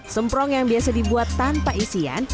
semprong yang biasa dibuat tanpa isian